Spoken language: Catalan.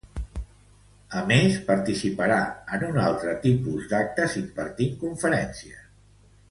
A més, participarà en un altre tipus d'actes impartint conferències.